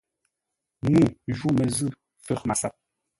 Ŋuu ju məzʉ̂ fə̌r MASAP.